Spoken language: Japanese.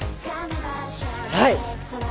はい！